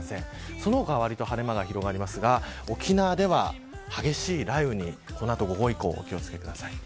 その他はわりと晴れ間が広がりますが沖縄では激しい雷雨にこの後午後以降お気を付けください。